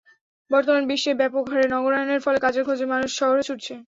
বর্তমান বিশ্বে ব্যাপক হারে নগরায়ণের ফলে কাজের খোঁজে মানুষ শহরে ছুটছে।